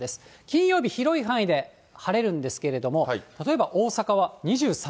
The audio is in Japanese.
金曜日、広い範囲で晴れるんですけれども、例えば、大阪は２３、４度。